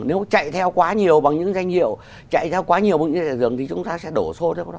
nếu chạy theo quá nhiều bằng những danh hiệu chạy theo quá nhiều bằng những danh hiệu thì chúng ta sẽ đổ xô